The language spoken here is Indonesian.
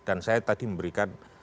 dan saya tadi memberikan